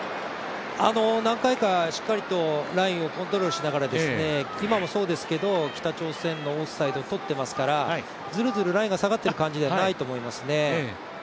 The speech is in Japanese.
何回かしっかりとラインをコントロールしながら今もそうですけど、北朝鮮のオフサイドをとっていますからずるずるラインが下がっている感じではないと思いますね。